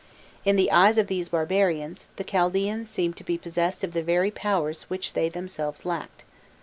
In the eyes of these barbarians, the Chaldeans seemed to be possessed of the very powers which they themselves lacked.